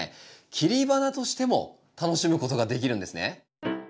切り花としても楽しむことができるんですね。